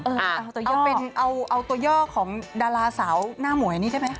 แต่ยังเป็นเอาตัวย่อของดาราสาวหน้าหมวยนี่ใช่ไหม